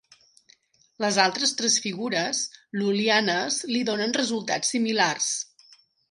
Les altres tres figures lul·lianes li donen resultats similars.